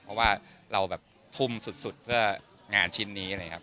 เพราะว่าเราแบบทุ่มสุดเพื่องานชิ้นนี้เลยครับ